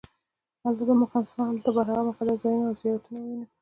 هلته به هغه مقدس ځایونه او زیارتونه ووېنم.